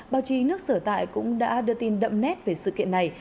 báo chí nước sở tại cũng đã đưa tin đậm nét về sự kiện này